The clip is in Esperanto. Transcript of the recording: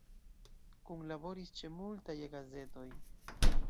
Kunlaboris ĉe multaj E-gazetoj.